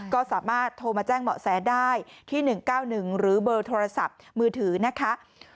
ก็สามารถโทรมาแจ้งเหมาะแสได้ที่๑๙๑หรือเบอร์โทรศัพท์มือถือนะคะ